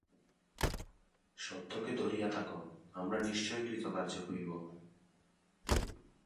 সত্যকে ধরিয়া থাক, আমরা নিশ্চয়ই কৃতকার্য হইব।